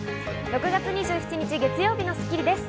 ６月２７日、月曜日の『スッキリ』です。